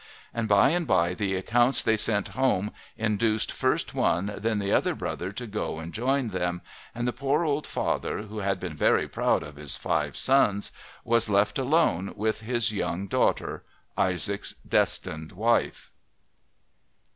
And by and by the accounts they sent home induced first one then the other brother to go and join them, and the poor old father, who had been very proud of his five sons, was left alone with his young daughter Isaac's destined wife.